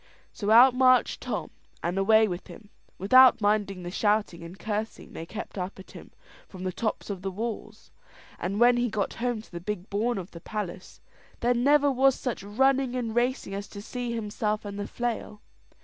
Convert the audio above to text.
So out marched Tom, and away with him, without minding the shouting and cursing they kept up at him from the tops of the walls; and when he got home to the big bawn of the palace, there never was such running and racing as to see himself and the flail.